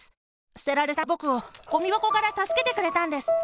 すてられたぼくをゴミばこからたすけてくれたんです。